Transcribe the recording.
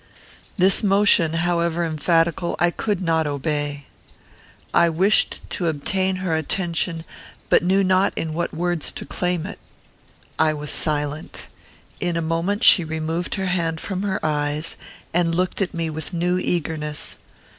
This motion, however emphatical, I could not obey. I wished to obtain her attention, but knew not in what words to claim it. I was silent. In a moment she removed her hand from her eyes, and looked at me with new eagerness.